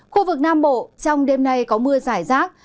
khu vực nam bộ trong đêm nay có mưa giải rác